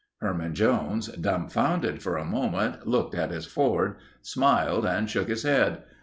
Herman Jones, dumbfounded for a moment, looked at his Ford, smiled, and shook his head.